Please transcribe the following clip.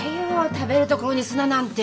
食べるとこに砂なんて。